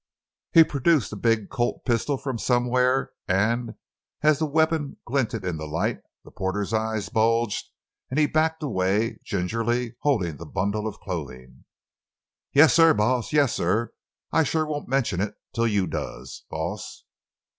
He produced a big Colt pistol from somewhere, and as the weapon glinted in the light the porter's eyes bulged and he backed away, gingerly holding the bundle of clothing. "Yassir, boss—yassir! I shuah won't mention it till you does, boss!"